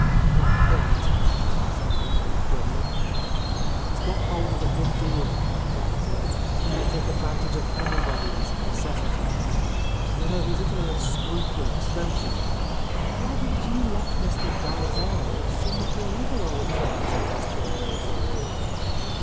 "Not quite," said Niel grimly. "He's got hold of a good deal of property. He'll take ad — 123 — A Lost Lady vantage of anybody's necessity. You know he's utterly unscrupulous, don't you ? Why didn't you let Mr. Dalzell, or some of your other old friends, invest your money for you?"